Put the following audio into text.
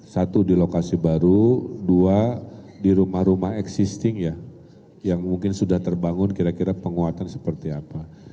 satu di lokasi baru dua di rumah rumah existing ya yang mungkin sudah terbangun kira kira penguatan seperti apa